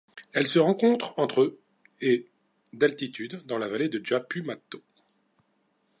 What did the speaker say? Elle se rencontre entre et d'altitude dans la vallée de Japumato.